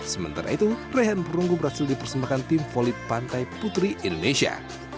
sementara itu raihan perunggu berhasil dipersembahkan tim voli pantai putri indonesia